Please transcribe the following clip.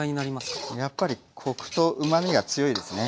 やっぱりコクとうまみが強いですね。